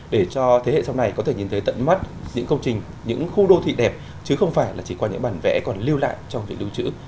để cho thế hệ sau này có thể nhìn tới tận mắt những công trình những khu đô thị đẹp chứ không phải là chỉ qua những bản vẽ còn lưu lại trong việc lưu trữ